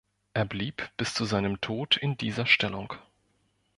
Er blieb bis zu seinem Tod in dieser Stellung.